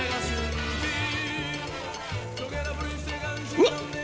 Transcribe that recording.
うわっ！